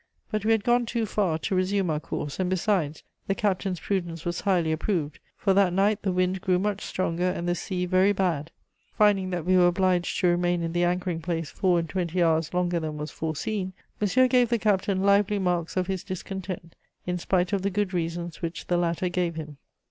But we had gone too far to resume our course, and besides, the captain's prudence was highly approved, for that night the wind grew much stronger and the sea very bad. Finding that we were obliged to remain in the anchoring place four and twenty hours longer than was foreseen, Monsieur gave the captain lively marks of his discontent, in spite of the good reasons which the latter gave him.